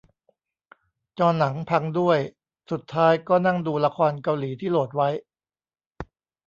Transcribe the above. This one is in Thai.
จอหนังพังด้วย สุดท้ายก็นั่งดูละครเกาหลีที่โหลดไว้